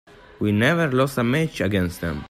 We never lost a match against them.